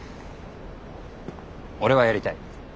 俺はやりたい。